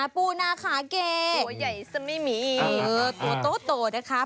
ปูนาขาเกตัวใหญ่ซะไม่มีตัวโตนะคะ